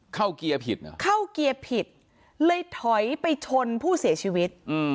เกียร์ผิดเหรอเข้าเกียร์ผิดเลยถอยไปชนผู้เสียชีวิต